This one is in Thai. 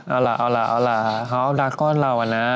เอาล่ะเอาล่ะเอาล่ะเขาดาก้อนเราอะนะ